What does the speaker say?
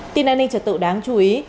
tin an ninh trật tự đáng chú ý